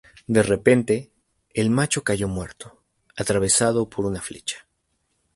De repente, el macho cayó muerto, atravesado por una flecha.